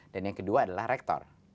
dan yang kedua adalah rektor